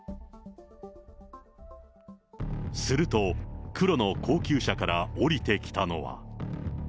すると、黒の高級車から降りてきたのは。